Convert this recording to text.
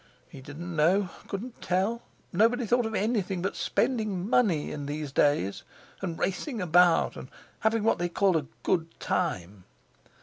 He didn't know—couldn't tell! Nobody thought of anything but spending money in these days, and racing about, and having what they called "a good time."